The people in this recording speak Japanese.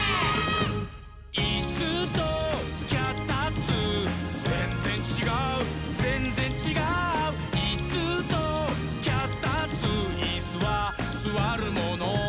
「いっすーときゃたっつーぜんぜんちがうぜんぜんちがう」「いっすーときゃたっつーイスはすわるもの」